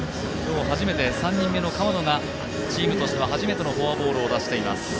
今日３人目の河野がチームとして初めてのフォアボールを出しています。